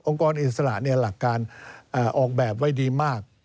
กรอิสระหลักการออกแบบไว้ดีมาก